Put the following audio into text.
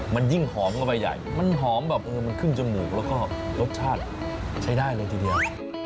มันยิ่งหอมเข้าไปใหญ่มันหอมแบบเออมันขึ้นจมูกแล้วก็รสชาติใช้ได้เลยทีเดียว